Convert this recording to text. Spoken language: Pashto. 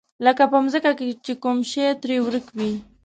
لکه په ځمکه چې کوم شی ترې ورک وي.